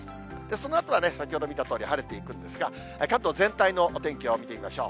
そのあとは先ほど見たとおり、晴れていくんですが、関東全体のお天気を見てみましょう。